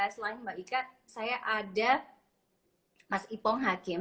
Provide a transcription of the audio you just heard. selain mbak ika saya ada mas ipong hakim